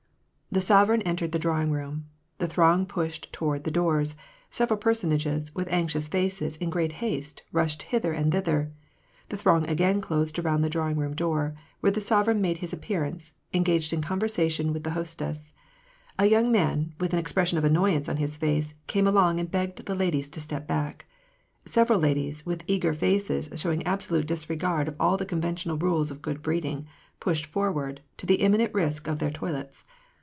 The sovereign entered the drawing room. The throng pushed toward the doors : several personages, with anxious faces, in great haste, rushed hither and thither. The throng again closed around the drawing room door, where the sovereign made his appearance, engaged in conversation with the host* ess. A young man, with an expression of annoyance on his face, came along and begged the ladies to step back. Several ladies, with eager faces showing absolute disregard of all the conventional rules of good breeding, pushed forwaii^ to the imminent risk of their toilets.